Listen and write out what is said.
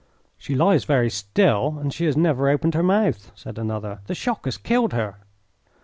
"She lies very still and she has never opened her mouth," said another. "The shock has killed her."